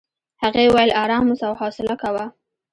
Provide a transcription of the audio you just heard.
هغې وویل ارام اوسه او حوصله کوه.